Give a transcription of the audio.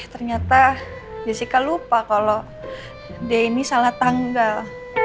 ternyata jessica lupa kalau dia ini salah tanggal